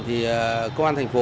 thì công an thành phố